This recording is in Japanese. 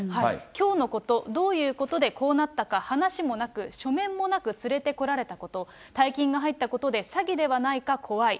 きょうのこと、どういうことでこうなったか、話もなく、書面もなく、連れてこられたこと、大金が入ったことで詐欺ではないか怖い。